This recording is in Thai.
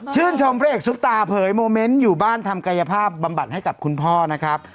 ชมพระเอกซุปตาเผยโมเมนต์อยู่บ้านทำกายภาพบำบัดให้กับคุณพ่อนะครับ